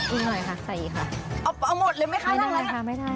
อีกหน่อยค่ะใส่อีกค่ะ